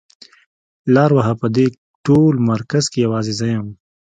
لار وهه په دې ټول مرکز کې يوازې زه يم.